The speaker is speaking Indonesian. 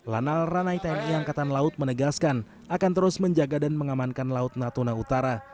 lanal ranai tni angkatan laut menegaskan akan terus menjaga dan mengamankan laut natuna utara